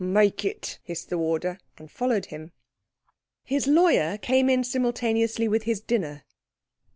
"Make it," hissed the warder; and followed him. His lawyer came in simultaneously with his dinner.